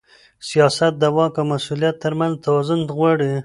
سیاست د واک او مسؤلیت ترمنځ توازن غواړي